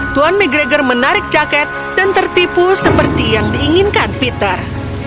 tuan mcgregor menarik jaket dan tertipu seperti yang diinginkan peter